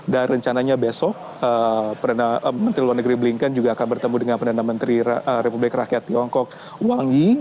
dan rencananya besok menteri luar negeri blinken juga akan bertemu dengan perdana menteri republik rakyat tiongkok wang yi